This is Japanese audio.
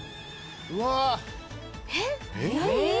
えっ？何？